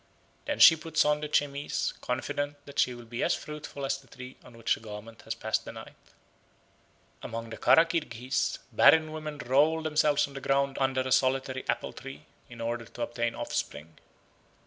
Then she puts on the chemise, confident that she will be as fruitful as the tree on which the garment has passed the night. Among the Kara Kirghiz barren women roll themselves on the ground under a solitary apple tree, in order to obtain offspring.